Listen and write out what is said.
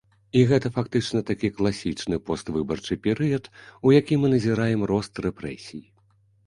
І гэта фактычна такі класічны поствыбарчы перыяд, у які мы назіраем рост рэпрэсій.